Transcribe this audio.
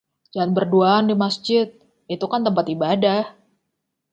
Janganlah berduaan di Masjid, itu kan tempat ibadah..